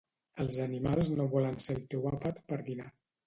Els animals no volen ser el teu àpat per dinar